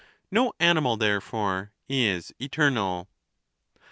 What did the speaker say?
No animal, therefore, is eternal.